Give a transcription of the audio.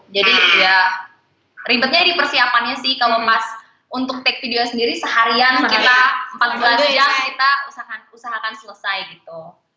jadi ya ribetnya di persiapannya sih kalau pas untuk take videonya sendiri seharian kita empat belas jam kita usahakan selesai gitu